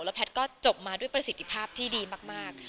แพทย์ก็จบมาด้วยประสิทธิภาพที่ดีมาก